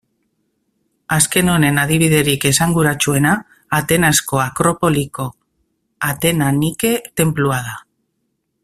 Azken honen adibiderik esanguratsuena Atenasko Akropoliko Atena Nike tenplua da.